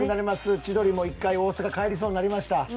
千鳥も１回大阪に帰りそうになりました。